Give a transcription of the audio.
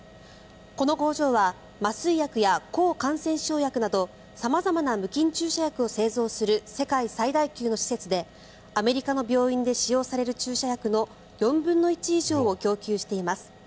この工場は麻酔薬や抗感染症薬など様々な無菌注射薬を製造する世界最大級の施設でアメリカの病院で使用される注射薬の４分の１以上を供給しています。